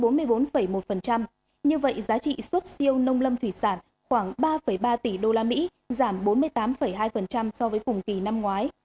như vậy giá trị xuất siêu nông lâm thủy sản khoảng ba ba tỷ usd giảm bốn mươi tám hai so với cùng kỳ năm ngoái